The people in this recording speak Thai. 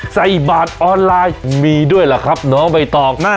ใส่บาทออนไลน์มีด้วยล่ะครับน้องใบตองนะ